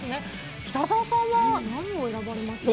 北澤さんは何を選ばれましたか？